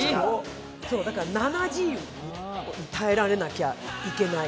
だから７Ｇに耐えられなきゃいけない。